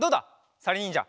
さりにんじゃ。